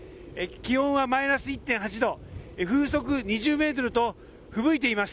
気温はマイナス１．８度風速２０メートルとふぶいています。